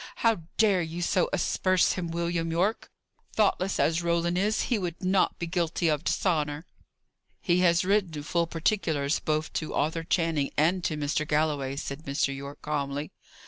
"How dare you so asperse him, William Yorke? Thoughtless as Roland is, he would not be guilty of dishonour." "He has written full particulars both to Arthur Channing and to Mr. Galloway," said Mr. Yorke, calmly.